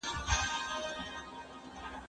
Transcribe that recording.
زه اوږده وخت چپنه پاکوم!؟